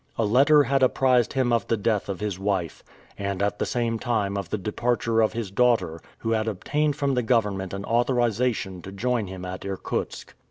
A letter had apprised him of the death of his wife, and at the same time of the departure of his daughter, who had obtained from the government an authorization to join him at Irkutsk.